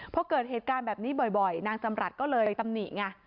พอเกิดเหตุการณ์แบบนี้บ่อยนางจำรัฐก็เลยตำหนิไง